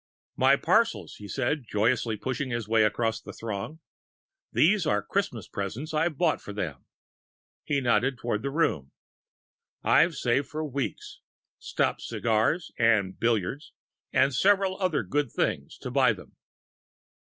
"My parcels," he said, joyously pushing his way across the throng. "These are Christmas presents I've bought for them." He nodded toward the room. "I've saved for weeks stopped cigars and billiards and and several other good things to buy them."